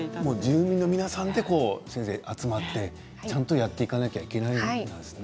住民の皆さんが集まってちゃんとやっていかなきゃいけないんですね。